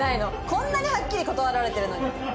こんなにはっきり断られてるのに。